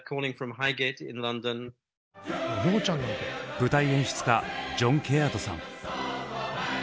舞台演出家ジョン・ケアードさん。